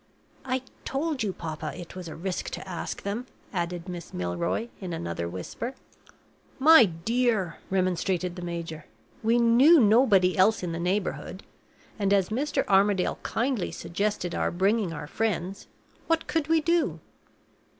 "I told you, papa, it was a risk to ask them," added Miss Milroy, in another whisper. "My dear!" remonstrated the major. "We knew nobody else in the neighborhood, and, as Mr. Armadale kindly suggested our bringing our friends, what could we do?"